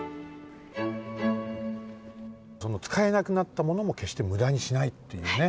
その使えなくなったものもけっしてむだにしないっていうね。